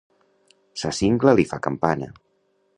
Sa cingla li fa campana.